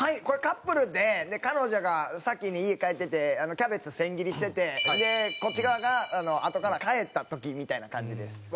これカップルで彼女が先に家帰っててキャベツ千切りしててこっち側があとから帰った時みたいな感じです。